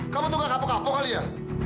kamu tuh gak kapok kapok kali ya